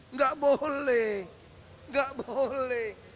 nggak boleh nggak boleh